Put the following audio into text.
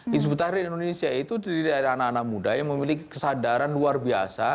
di sebetulnya indonesia itu di daerah anak anak muda yang memiliki kesadaran luar biasa